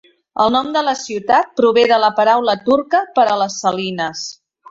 El nom de la ciutat prové de la paraula turca per a les salines.